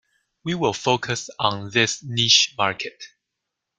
We will focus on this niche market.